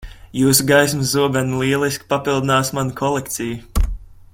Jūsu gaismas zobeni lieliski papildinās manu kolekciju.